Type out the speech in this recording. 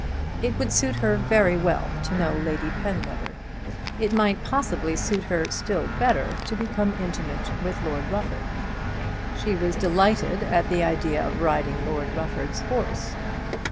It would suit her very well to know Lady Penwether. It might possibly suit her still better to become intimate with Lord Rufford. She was delighted at the idea of riding Lord Rufford's horse.